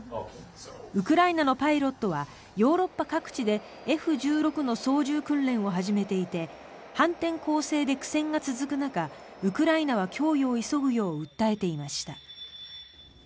ウクライナのパイロットはヨーロッパ各地でＦ１６の操縦訓練を始めていて反転攻勢で苦戦が続く中ウクライナは供与を急ぐよう訴えていました。